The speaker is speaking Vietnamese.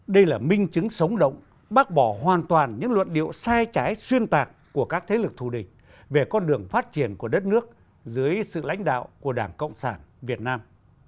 đây là minh chứng sống động bác bỏ hoàn toàn những luận điệu sai trái xuyên tạc của các thế lực thù địch về con đường phát triển của đất nước dưới sự lãnh đạo của đảng cộng sản việt nam